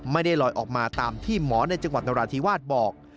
ไม่ได้ลอยออกมาตามที่หมอในจังหวัดนราธิวาสบอก